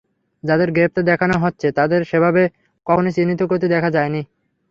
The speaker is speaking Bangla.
যাদের গ্রেপ্তার দেখানো হচ্ছে, তাদের সেভাবে কখনোই চিহ্নিত করতে দেখা যায়নি।